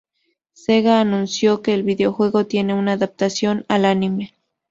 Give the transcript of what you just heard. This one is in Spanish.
Sega anunció que el videojuego tiene una adaptación al anime.